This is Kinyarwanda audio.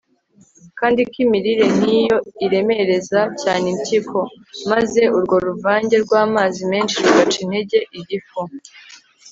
kandi ko imirire nk'iyo iremereza cyane impyiko, maze urwo ruvange rw'amazi menshi rugaca intege igifu